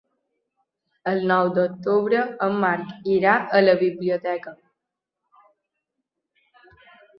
El nou d'octubre en Marc irà a la biblioteca.